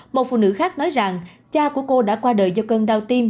một phụ nữ khác nói rằng cha của cô đã qua đời do cơn đau tim